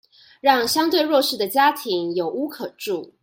讓相對弱勢的家庭有屋可住